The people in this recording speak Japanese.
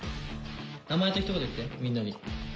名前と一言言ってみんなに。